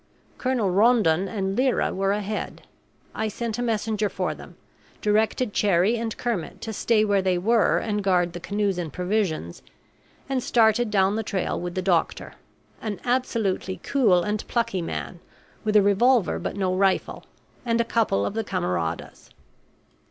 Colonel Rondon and Lyra were ahead; I sent a messenger for them, directed Cherrie and Kermit to stay where they were and guard the canoes and provisions, and started down the trail with the doctor an absolutely cool and plucky man, with a revolver but no rifle and a couple of the camaradas.